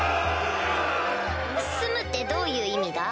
住むってどういう意味だ？